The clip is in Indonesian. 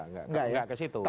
enggak ke situ